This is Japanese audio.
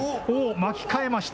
巻き替えました。